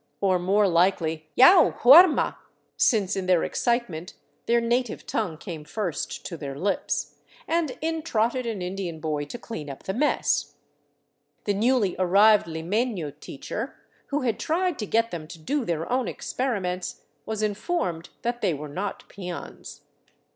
— or more likely, " Yau, huarma," since in their excitement their native tongue came first to their lips — and in trotted an Indian boy to clean up the mess. The newly arrived limeno teacher, who had tried to get them to do their own experiments, was informed that they were not peons.